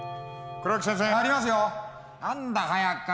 黒木先生！